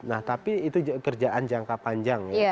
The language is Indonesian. nah tapi itu kerjaan jangka panjang ya